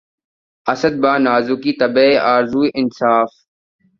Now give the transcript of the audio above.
اسد! بہ نازکیِ طبعِ آرزو انصاف